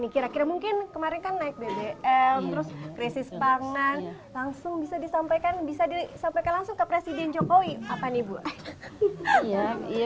terima kasih ya